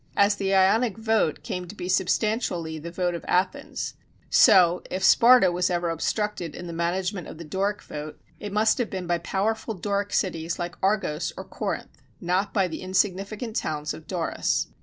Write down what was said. As the Ionic vote came to be substantially the vote of Athens, so, if Sparta was ever obstructed in the management of the Doric vote, it must have been by powerful Doric cities like Argos or Corinth, not by the insignificant towns of Doris.